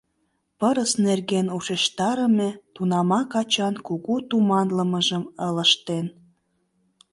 – Пырыс нерген ушештарыме тунамак ачан кугу туманлымыжым ылыжтен.